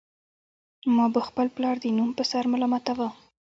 ما به خپل پلار د نوم په سر ملامتاوه